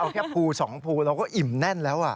เอาแค่ภู๒ภูเราก็อิ่มแน่นแล้ว